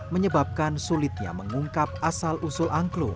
menyebabkan sulitnya mengungkap asal usul angklung